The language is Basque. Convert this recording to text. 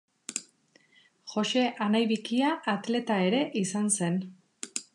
Jose anai bikia atleta ere izan zen.